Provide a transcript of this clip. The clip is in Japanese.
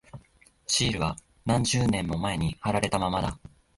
シールは何十年も前に貼られたままだ。